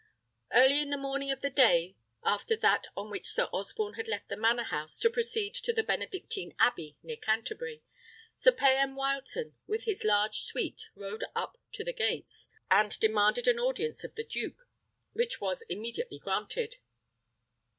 Early in the morning of the day after that on which Sir Osborne had left the manor house to proceed to the Benedictine Abbey, near Canterbury, Sir Payan Wileton, with a large suite, rode up to the gates, and demanded an audience of the duke, which was immediately granted.